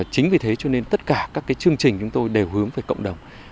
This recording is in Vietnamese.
chính vì thế cho nên tất cả các chương trình chúng tôi đều hướng về cộng đồng